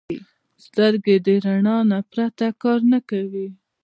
سترګې د رڼا نه پرته کار نه کوي